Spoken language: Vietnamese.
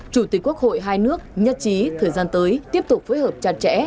chủ tịch quốc hội hai nước nhắc chí thời gian tới tiếp tục phối hợp chặt chẽ